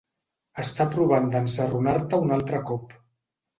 Està provant de ensarronar-te un altre cop.